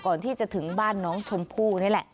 ก่อนที่จะถึงบ้านน้องชมพู่นี่แหละ